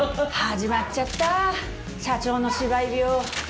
始まっちゃった社長の芝居病。